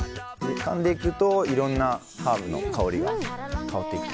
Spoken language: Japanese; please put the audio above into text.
かんで行くといろんなハーブの香りが香って来て。